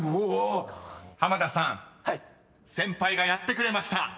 ［濱田さん先輩がやってくれました］